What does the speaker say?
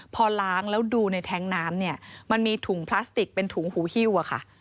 พอล้างแล้วดูในแท้งน้ำเนี่ยมันมีถุงพลาสติกเป็นถุงหูฮิ้วอะค่ะ